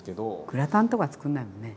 グラタンとかつくんないもんね。